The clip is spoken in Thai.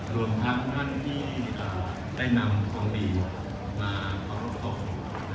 รวมทั้งท่านที่ได้นำความดีมาขอรับทรง